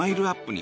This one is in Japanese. に